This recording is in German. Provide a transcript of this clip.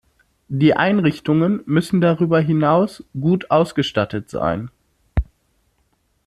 Die Einrichtungen müssen darüber hinaus gut ausgestattet sein.